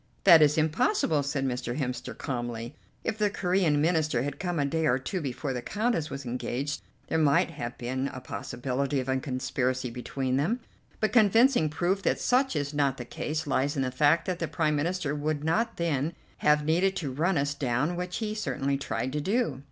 "That is impossible," said Mr. Hemster calmly. "If the Corean Minister had come a day or two before the Countess was engaged, there might have been a possibility of a conspiracy between them; but convincing proof that such is not the case lies in the fact that the Prime Minister would not then have needed to run us down, which he certainly tried to do."